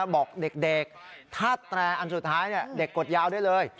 บอกเด็กถ้าแตรอันสุดท้ายเด็กกดยาวได้เลย